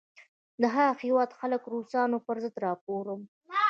د هغه هیواد خلک د روسانو پر ضد را پاروم.